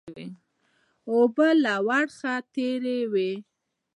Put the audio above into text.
اوبه له ورخه تېرې وې